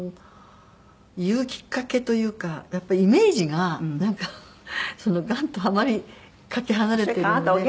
言うきっかけというかやっぱりイメージがなんかがんとあまりかけ離れてるので。